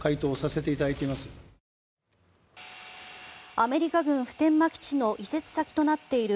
アメリカ軍普天間基地の移設先となっている